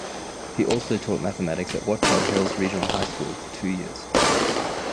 He also taught mathematics at Watchung Hills Regional High School for two years.